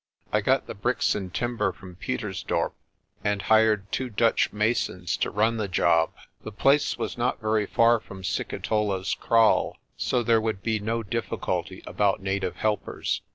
I got the bricks and timber from Pietersdorp, and hired two 54 MY JOURNEY TO THE WINTER VELD 55 Dutch masons to run the job. The place was not very far from Sikitola's kraal, so there would be no difficulty about native helpers.